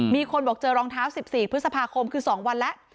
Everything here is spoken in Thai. มีคนบอกเจอรองเท้า๑๔พฤษภาคมคือ๒วันแล้ว